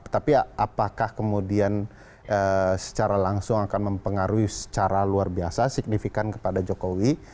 tapi apakah kemudian secara langsung akan mempengaruhi secara luar biasa signifikan kepada jokowi